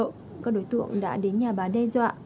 các đối tượng đã đến nhà bán đe dọa